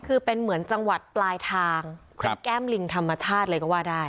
คือเป็นเหมือนจังหวัดปลายทางเป็นแก้มลิงธรรมชาติเลยก็ว่าได้